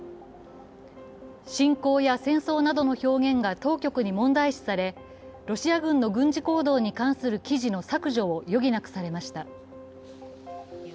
侵攻や戦争などの表現が当局に問題視されロシア軍の軍事行動に関する記事の削除を余儀なくされました。